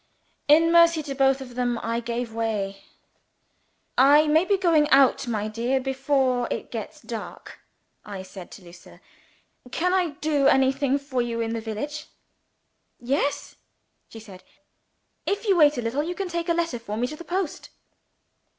In mercy to both of them, I gave way. "I may be going out, my dear, before it gets dark," I said to Lucilla. "Can I do anything for you in the village?" "Yes," she said, "if you will wait a little, you can take a letter for me to the post."